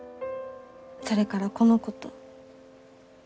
それからこの子と。